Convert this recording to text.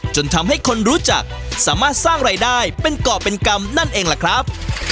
จนทำให้คนรู้จักสามารถสร้างรายได้เป็นก่อเป็นกรรมนั่นเองล่ะครับ